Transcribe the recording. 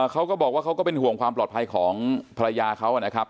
เขาก็บอกว่าเขาก็เป็นห่วงความปลอดภัยของภรรยาเขานะครับ